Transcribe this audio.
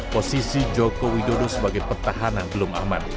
posisi jokowi dodo sebagai pertahanan belum aman